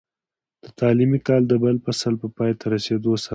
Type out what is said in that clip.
د تعليمي کال د بل فصل په پای ته رسېدو سره،